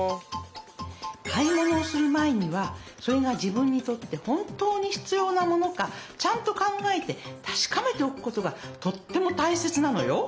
買い物をする前にはそれが自分にとって本当に必要なものかちゃんと考えて確かめておくことがとってもたいせつなのよ。